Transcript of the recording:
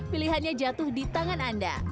pilihannya jatuh di tangan anda